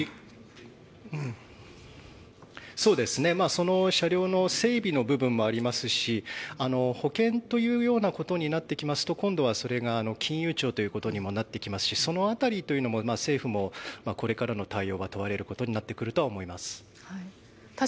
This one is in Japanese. その車両の整備の部分もありますし保険というようなことになってきますと今度はそれが金融庁となってきますしその辺りというのも政府もこれからの対応が問われてくると思います。